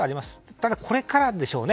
ただこれからでしょうね。